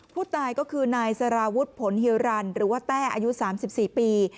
ผู้ตายก็คือนายสารวุฒิผลฮิวรรณหรือว่าแต้อายุ๓๔ปี